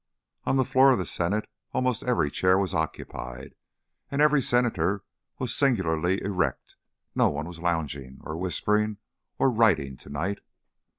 On the floor of the Senate almost every chair was occupied, and every Senator was singularly erect; no one was lounging, or whispering, or writing to night.